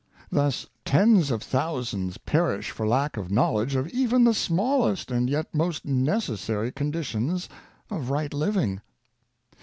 Thus tens of thousands perish for lack of knowledge of even the smallest and yet most necessary conditions of right living.